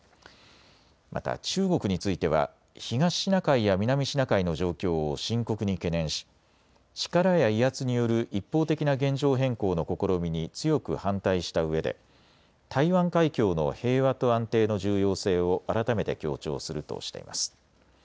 また中国については東シナ海や南シナ海の状況を深刻に懸念し力や威圧による一方的な現状変更の試みに強く反対したうえで台湾海峡の平和と安定の重要性を改めて強調するとしています。